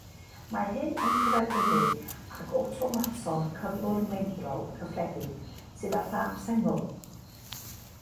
Mae hyn yn cyferbynnu ag awtomaton cyflwr meidrol cyffredin, sydd â thâp sengl.